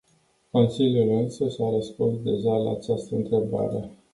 Consiliul însuși a răspuns deja la această întrebare.